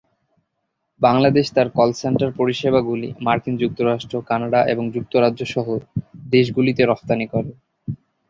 বাংলাদেশ তার call centre পরিষেবাগুলি মার্কিন যুক্তরাষ্ট্র, কানাডা এবং যুক্তরাজ্য সহ দেশগুলিতে রফতানি করে।